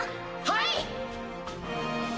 はい！